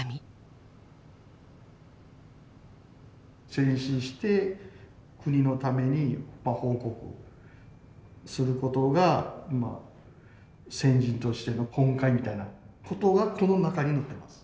戦死した戦死して国のために報国することがせんじんとしての本懐みたいなことがこの中に載ってます。